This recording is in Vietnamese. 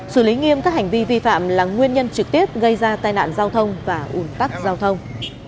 xử lý nghiêm các hành vi vi phạm là nguyên nhân trực tiếp gây ra tai nạn giao thông và ủn tắc giao thông